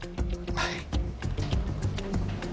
はい。